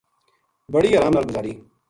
بڑی ارام نال گزری